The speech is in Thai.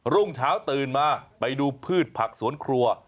รุ่งเช้าตื่นมาไปดูพืชผักสวนครัว